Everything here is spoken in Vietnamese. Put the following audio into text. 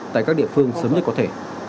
tại các địa phương sớm nhất có thể